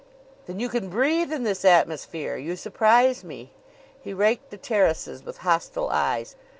"Then you can breathe in this atmosphere! You surprise me!" He raked the terraces with hostile eyes.